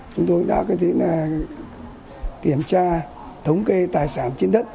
chúng tôi đã có thể là kiểm tra thống kê tài sản trên đất